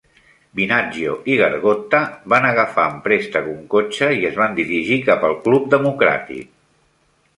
Binaggio i Gargotta van agafar en préstec un cotxe i es van dirigir cap al Club Democràtic.